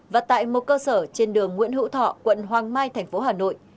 và tại một cơ sở trên đường nguyễn hữu thọ quận hoàng mai tp hà nội